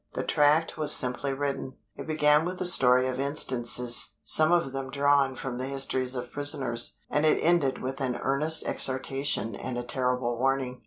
The tract was simply written. It began with a story of instances, some of them drawn from the histories of prisoners, and it ended with an earnest exhortation and a terrible warning.